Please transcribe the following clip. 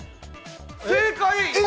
正解！